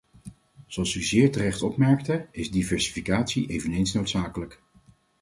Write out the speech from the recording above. Zoals u zeer terecht opmerkte, is diversificatie eveneens noodzakelijk.